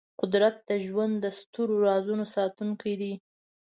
قدرت د ژوند د سترو رازونو ساتونکی دی.